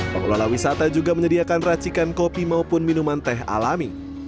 pengelola wisata juga menyediakan racikan kopi maupun minuman teh alami